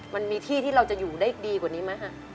มันมีที่ที่เราจะอยู่ได้ดีกว่านี้ไหมฮะ